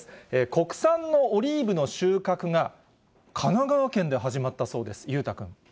国産のオリーブの収穫が神奈川県で始まったそうです。